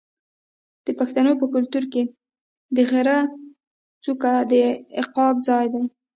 د پښتنو په کلتور کې د غره څوکه د عقاب ځای دی.